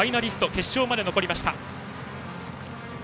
決勝まで残りました。